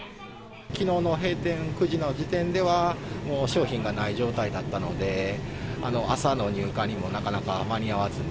きのうの閉店、９時の時点では、もう商品がない状態だったので、朝の入荷にもなかなか間に合わずに。